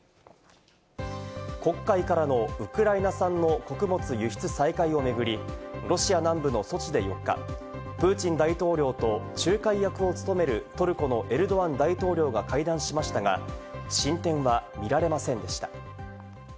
黒海からのウクライナ産の穀物輸出再開を巡り、ロシア南部のソチで４日、プーチン大統領と仲介役を務めるトルコのエルドアン大統領が会談しましたが、進展は見られませんでした。